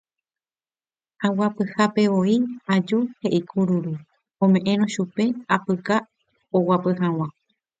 Aguapyhápevoi aju he'i kururu oñeme'ẽrõ chupe apyka oguapy hag̃ua